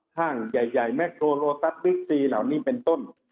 ห้างใหญ่แมคโทรโลตัสบิ๊กซีเหล่านี้เป็นต้น